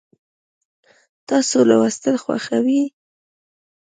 تاسو لوستل خوښوئ؟